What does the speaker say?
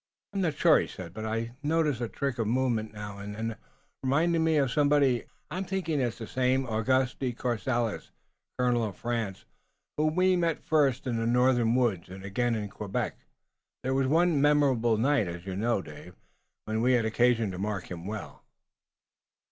"I'm not sure," he said, "but I notice a trick of movement now and then reminding me of someone. I'm thinking it's the same Auguste de Courcelles, Colonel of France, whom we met first in the northern woods and again in Quebec. There was one memorable night, as you know, Dave, when we had occasion to mark him well."